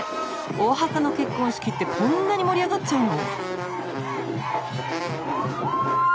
オアハカの結婚式ってこんなに盛り上がちゃうの！？